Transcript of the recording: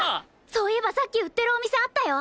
そういえばさっき売ってるお店あったよ！